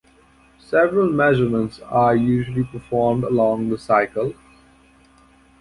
Several measurements are usually performed along the cycle.